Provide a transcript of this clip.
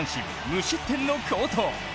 無失点の好投。